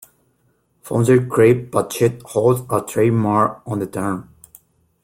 Founder Craig Patchett holds a trademark on the term.